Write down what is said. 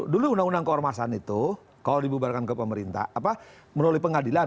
dulu undang undang keormasan itu kalau dibubarkan ke pemerintah melalui pengadilan